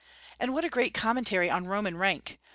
And what a commentary on Roman rank!